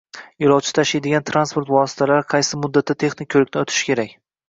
Yo‘lovchi tashiydigan transport vositalari qaysi muddatda texnik ko‘rikdan o‘tishi kerak?